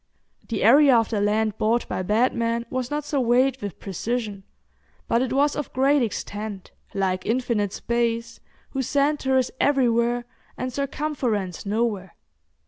The area of the land bought by Batman was not surveyed with precision, but it was of great extent, like infinite space, whose centre is everywhere, and circumference nowhere.